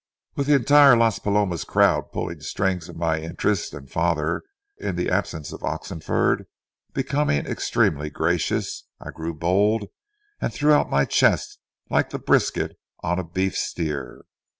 With the entire Las Palomas crowd pulling strings in my interest, and Father, in the absence of Oxenford, becoming extremely gracious, I grew bold and threw out my chest like the brisket on a beef steer.